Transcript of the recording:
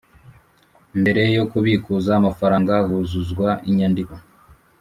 Mbere yo kubikuza amafaranga huzuzwa inyandiko